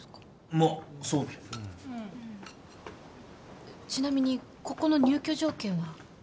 まあそうねうんちなみにここの入居条件は？